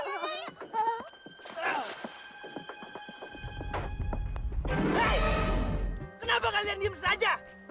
hei kenapa kalian diem saja